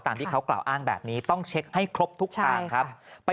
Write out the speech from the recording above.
ที่เขากล่าวอ้างแบบนี้ต้องเช็คให้ครบทุกทางครับ